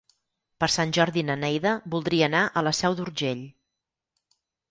Per Sant Jordi na Neida voldria anar a la Seu d'Urgell.